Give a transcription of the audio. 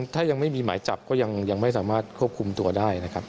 ถ้ายังไม่มีหมายจับก็ยังไม่สามารถควบคุมตัวได้นะครับ